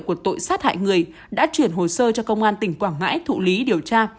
của tội sát hại người đã chuyển hồ sơ cho công an tỉnh quảng ngãi thụ lý điều tra